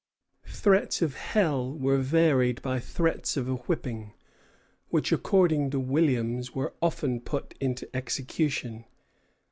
Threats of hell were varied by threats of a whipping, which, according to Williams, were often put into execution.